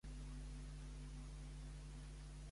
Quines qualificacions de piano va obtenir en el superior?